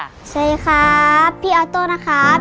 สวัสดีครับพี่ออโต้นะครับ